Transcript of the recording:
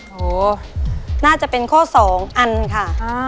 โหน่าจะเป็นข้อ๒อันค่ะ